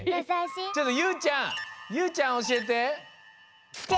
ちょっとゆうちゃんゆうちゃんおしえて。